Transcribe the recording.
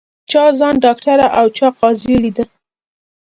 چا ځان ډاکټره او چا قاضي لیده